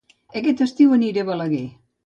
Aquest estiu aniré a Balaguer